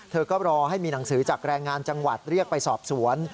เธอก็รอให้มีหนังสือจากแรงงานจังหวัดเรียกไปสอบสวน